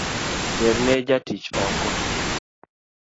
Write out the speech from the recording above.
Terne jatich oko